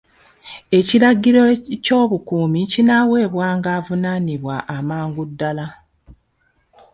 Ekiragiro ky'obukuumi kinaaweebwanga avunaanibwa amangu ddala.